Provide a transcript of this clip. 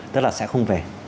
tức là sẽ không về